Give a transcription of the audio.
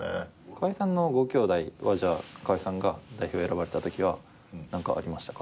川合さんのご兄弟は川合さんが代表選ばれたときは何かありましたか？